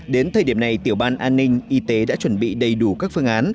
đến thời điểm này tiểu ban an ninh y tế đã chuẩn bị đầy đủ các phương án